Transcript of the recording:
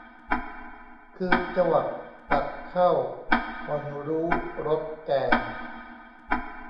คือจวักตักเข้า ห่อนรู้รสแกง